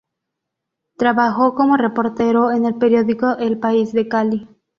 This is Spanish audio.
Trabajó como reportero en el periódico El País de Cali.